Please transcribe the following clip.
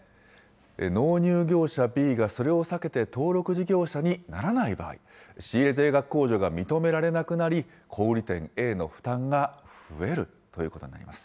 納入業者Ｂがそれを避けて登録事業者にならない場合、仕入れ税額控除が認められなくなり、小売り店Ａの負担が増えるということになります。